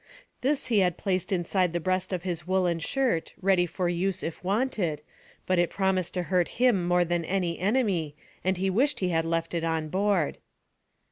This he had placed inside the breast of his woollen shirt, ready for use if wanted, but it promised to hurt him more than any enemy, and he wished he had left it on board.